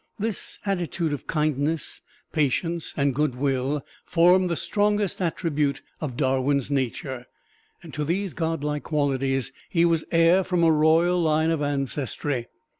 This attitude of kindness, patience and good will formed the strongest attribute of Darwin's nature, and to these godlike qualities he was heir from a royal line of ancestry.